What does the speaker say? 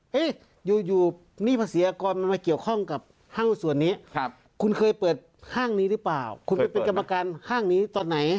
เคยเปิดหรือเปล่าเคยเปิดหรือเปล่าคุณเป็นกรรมการห้างนี้ตอนไหน